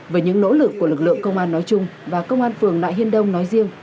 với những nỗ lực của lực lượng công an nói chung và công an phường nại hiên đông nói riêng